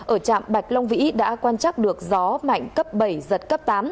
ở trạm bạch long vĩ đã quan trắc được gió mạnh cấp bảy giật cấp tám